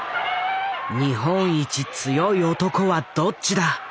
日本一強い男はどっちだ